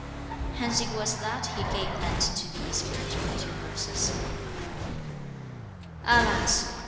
Hence it was that he gave vent to these pentameter verses: Alas!